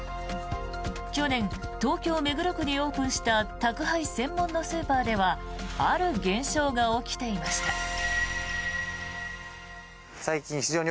去年、東京・目黒区にオープンした宅配専門のスーパーではある現象が起きていました。